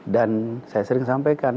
dan saya sering sampaikan